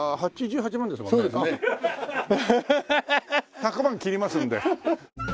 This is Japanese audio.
１００万切りますんで。